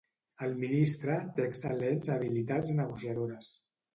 El ministre té excel·lents habilitats negociadores.